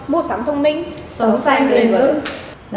mua sắm thông minh sống sang đời mượn